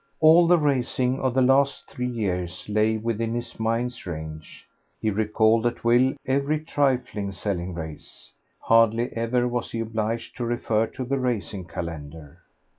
All the racing of the last three years lay within his mind's range; he recalled at will every trifling selling race; hardly ever was he obliged to refer to the Racing Calendar.